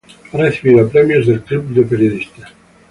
Ha recibido premios del Club de Periodistas.